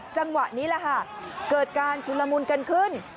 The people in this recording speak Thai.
จังหวะนี้แหละค่ะเกิดการชุลมุนกันขึ้น